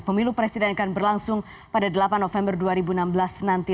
pemilu presiden akan berlangsung pada delapan november dua ribu enam belas nanti